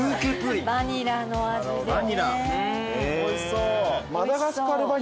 バニラの味でね。